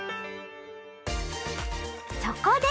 そこで！